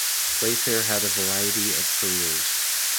Playfair had a variety of careers.